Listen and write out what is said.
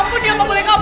aduh sakit itu pak robi